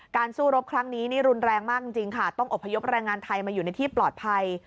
สู้รบครั้งนี้นี่รุนแรงมากจริงค่ะต้องอบพยพแรงงานไทยมาอยู่ในที่ปลอดภัย